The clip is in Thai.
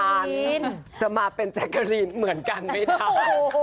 ไปที่นี่จะมาเป็นแจ็คเกอรีนเหมือนกันไปทาง